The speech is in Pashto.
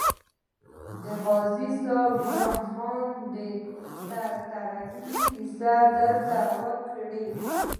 د غازي صاحب جان خان تره کې کیسه یې راته وکړه.